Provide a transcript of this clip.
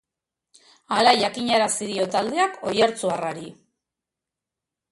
Hala jakinarazi dio taldeak oiartzuarrari.